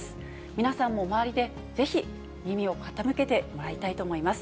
皆さんも周りでぜひ耳を傾けてもらいたいと思います。